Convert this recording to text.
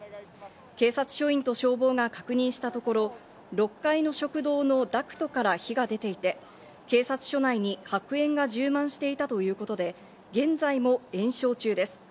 警察署員と消防が確認したところ、６階の食堂のダクトから火が出ていて、警察署内に白煙が充満していたということで、現在も延焼中です。